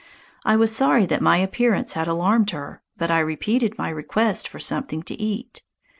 I was sorry that my appearance had alarmed her, but I repeated my request for something to eat.